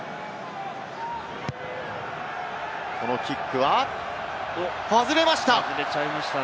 このキックは、外れました。